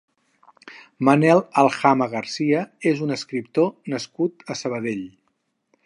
Manel Aljama Garcia és un escriptor nascut a Sabadell.